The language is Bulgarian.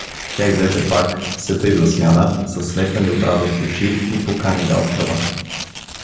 Тя излезе пак, все тъй засмяна, със светнали от радост очи, и покани Галчева.